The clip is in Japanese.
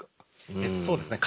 そうですね